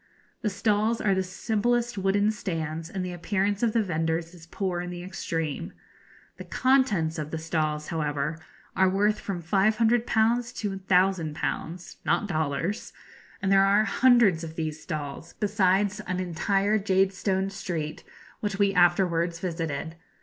The stalls are the simplest wooden stands, and the appearance of the vendors is poor in the extreme. The contents of the stalls, however, are worth from 500_l_. to l,000_l_. (not dollars), and there are hundreds of these stalls, besides an entire jadestone street which we afterwards visited.